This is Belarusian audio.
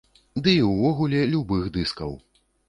Ды і ўвогуле, любых дыскаў.